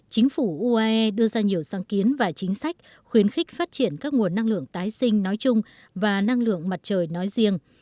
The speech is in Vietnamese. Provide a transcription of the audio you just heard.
chính phủ uae đưa ra nhiều sáng kiến và chính sách khuyến khích phát triển các nguồn năng lượng tái sinh nói chung và năng lượng mặt trời nói riêng